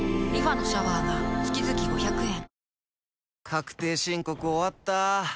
確定申告終わった。